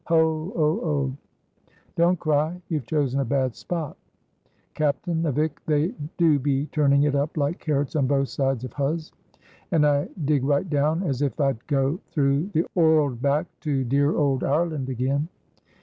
Oh! oh! oh!" "Don't cry. You have chosen a bad spot." "Captain, avick, they do be turning it up like carrots on both sides of huz. And I dig right down as if I'd go through the 'orld back to dear old Ireland again.